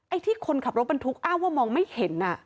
ไอ้ที่คนขับรถบรรทุกว่ามองไม่เห็น